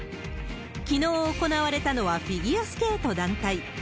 きのう行われたのはフィギュアスケート団体。